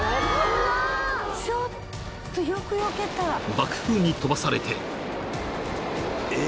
［爆風に飛ばされて］